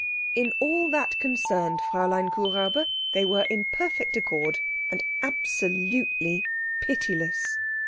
In all that concerned Fräulein Kuhräuber they were in perfect accord, and absolutely pitiless.